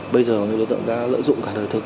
bây giờ những đối tượng đã lợi dụng cả đời thực